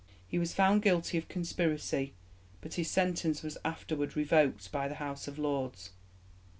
He was found guilty of conspiracy, but his sentence was afterward revoked by the House of Lords.